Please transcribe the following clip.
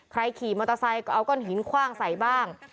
ขี่มอเตอร์ไซค์ก็เอาก้อนหินคว่างใส่บ้าง